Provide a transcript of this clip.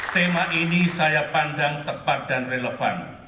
tema ini saya pandang tepat dan relevan